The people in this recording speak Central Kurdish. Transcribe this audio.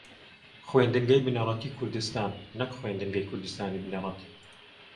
خوێندنگەی بنەڕەتیی کوردستان نەک خوێندنگەی کوردستانی بنەڕەتی